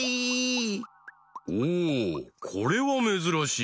おおこれはめずらしい。